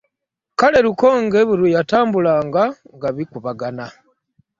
Kale Lukonge buli lwe yatambulanga, nga bikubagana.